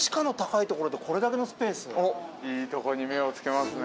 おっいいとこに目を付けますね。